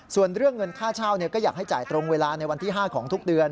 ส่วนเรื่องเงินค่าเช่าก็อยากให้จ่ายตรงเวลาในวันที่๕ของทุกเดือน